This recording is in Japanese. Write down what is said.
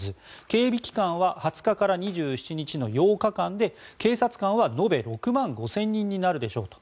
警備期間は２０日から２７日の８日間で警察官は延べ６万５０００人になるでしょうと。